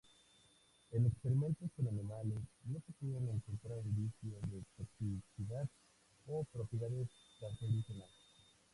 En experimentos con animales no se pudieron encontrar indicios de toxicidad o propiedades cancerígenas.